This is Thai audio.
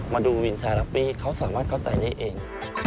มาดูวินชายแรปปี้เขาสามารถเข้าใจได้เอง